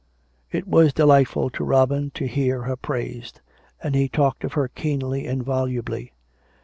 It was delightful to Robin to hear her praised, and he talked of her keenly and volubly.